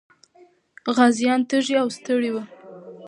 غازيان تږي او ستړي وو.